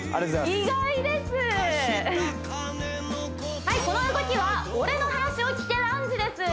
意外ですはいこの動きは「俺の話を聞けランジ」です